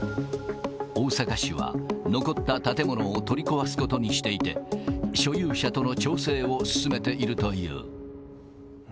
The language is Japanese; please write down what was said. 大阪市は、残った建物を取り壊すことにしていて、所有者との調整を進めているという。